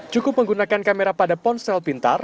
cukup menggunakan kamera pada ponsel pintar